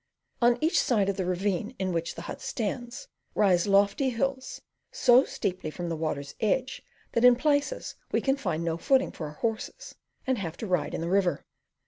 On each side of the ravine in which the hut stands rise lofty hills so steeply from the water's edge that in places we can find no footing for our horses, and have to ride in the river.